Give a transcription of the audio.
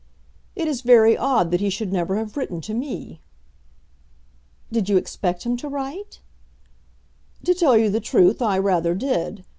"It is very odd that he should never have written to me." "Did you expect him to write?" "To tell you the truth, I rather did.